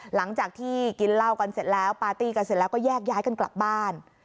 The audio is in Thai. หลังจากที่กินเหล้ากันเสร็จแล้วปาร์ตี้กันเสร็จแล้วก็แยกย้ายกันกลับบ้าน